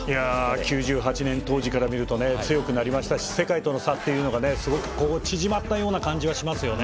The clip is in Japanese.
９８年当時から見ると強くなりましたし、世界との差がすごく縮まったような感じがしますよね。